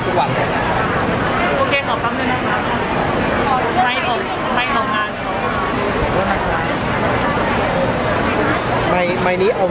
เพราะว่าอยากให้ทุกคนมาลองเล่นในที่นี่กันเยอะครับ